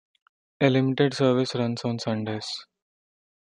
A limited service runs on Sundays.